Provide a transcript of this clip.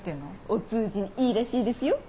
お通じにいいらしいですよ。